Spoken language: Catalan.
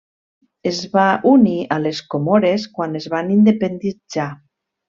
Es va unir a les Comores quan es van independitzar.